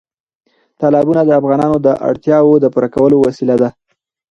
تالابونه د افغانانو د اړتیاوو د پوره کولو وسیله ده.